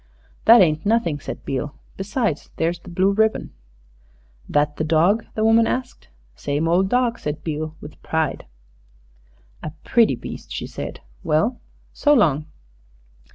"That ain't nothing," said Beale; "besides, there's the blue ribbon." "That the dog?" the woman asked. "Same ole dawg," said Beale, with pride. "A pretty beast," she said. "Well so long."